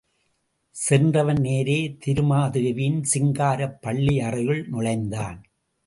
சென்றவன் நேரே திருமா தேவியின் சிங்காரப் பள்ளியறையுள் நுழைந்தான்.